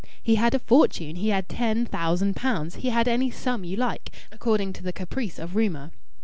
He had a fortune; he had ten thousand pounds; he had any sum you like, according to the caprice of rumour.